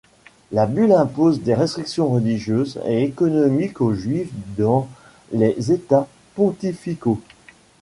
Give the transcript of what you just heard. La bulle impose des restrictions religieuses et économiques aux Juifs dans les États pontificaux.